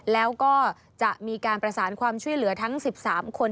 แล้วก็จะมีการประสานความช่วยเหลือทั้ง๑๓คน